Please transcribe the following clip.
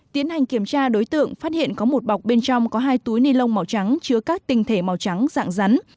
tiến hành kiểm tra đối tượng phát hiện có một bọc bên trong có hai túi ni lông màu trắng chứa các tinh thể màu trắng dạng rắn